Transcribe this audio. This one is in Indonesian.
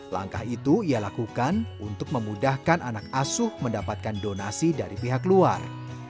langkah itu ia lakukan untuk memudahkan anak asuh mendapatkan donasi dari pihak luar